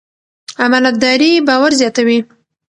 امانتداري باور زیاتوي.